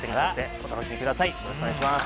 よろしくお願いします